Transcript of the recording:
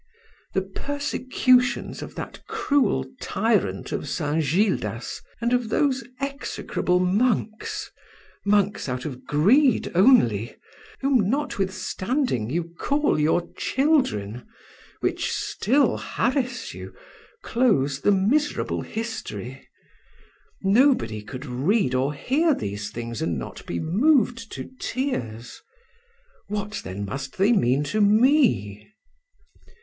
The persecutions of that cruel tyrant of St. Gildas, and of those execrable monks, monks out of greed only, whom notwithstanding you call your children, which still harass you, close the miserable history. Nobody could read or hear these things and not be moved to tears. What then must they mean to me?